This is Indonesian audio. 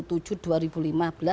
aturan menteri keuangan ini ya